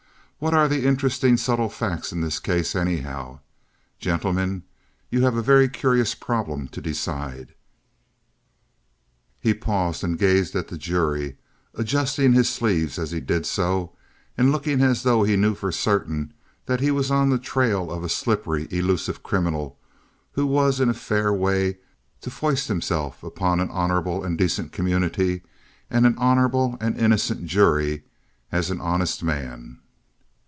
What are the interesting, subtle facts in this case, anyhow? Gentlemen, you have a very curious problem to decide." He paused and gazed at the jury, adjusting his sleeves as he did so, and looking as though he knew for certain that he was on the trail of a slippery, elusive criminal who was in a fair way to foist himself upon an honorable and decent community and an honorable and innocent jury as an honest man.